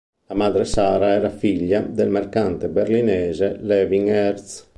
La madre Sara era figlia del mercante berlinese Levin Hertz.